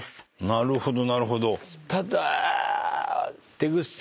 なるほど。